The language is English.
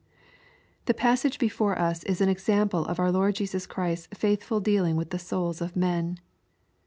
The passage before us is an example of our Lord Jesus Christ's faithful dealing with the souls of men.